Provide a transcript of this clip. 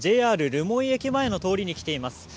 留萌駅前の通りに来ています。